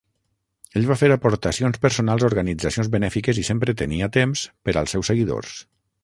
Ell va fer aportacions personals a organitzacions benèfiques i sempre tenia temps per als seus seguidors.